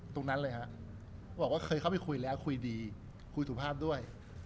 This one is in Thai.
ตรงนั้นเลยฮะบอกว่าเคยเข้าไปคุยแล้วคุยดีคุยสุภาพด้วย